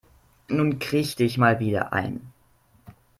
Nun krieg dich mal wieder ein.